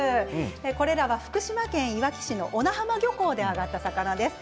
これらは福島県いわき市の小名浜漁港で揚がった魚ですね。